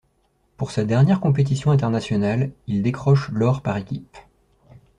Pour sa dernière compétition internationale, il décroche l’Or par équipes.